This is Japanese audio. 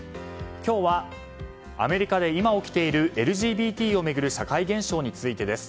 今日は、アメリカで今起きているＬＧＢＴを巡る社会現象についてです。